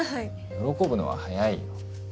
喜ぶのは早いよ。